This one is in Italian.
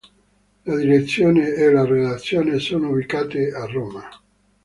La direzione e la redazione sono ubicate a Roma.